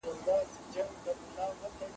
مطالعه د انسان فکر او شعور ته وده ورکوي.